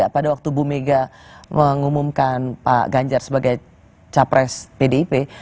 pada waktu bu mega mengumumkan pak ganjar sebagai capres pdip